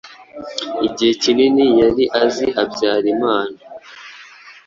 igihe kinini yari azi Habyarimana